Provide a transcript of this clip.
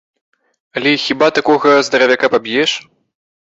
Але хіба такога здаравяка паб'еш?